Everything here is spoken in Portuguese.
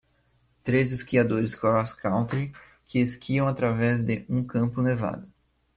Três esquiadores crosscountry que esquiam através de um campo nevado.